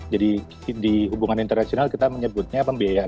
jadi di hubungan internasional kita menyebutnya